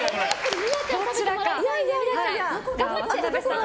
どちらか。